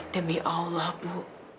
demi allah bu